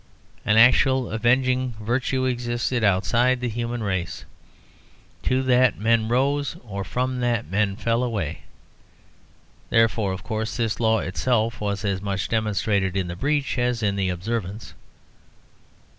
An actual avenging virtue existed outside the human race; to that men rose, or from that men fell away. Therefore, of course, this law itself was as much demonstrated in the breach as in the observance.